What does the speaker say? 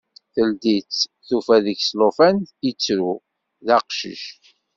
Teldi-tt, tufa deg-s llufan ittru, d aqcic.